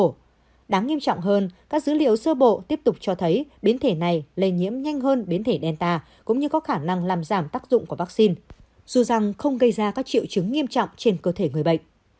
điều đáng nghiêm trọng hơn các dữ liệu sơ bộ tiếp tục cho thấy biến thể này lây nhiễm nhanh hơn biến thể delta cũng như có khả năng làm giảm tác dụng của vaccine dù rằng không gây ra các triệu chứng nghiêm trọng trên cơ thể người bệnh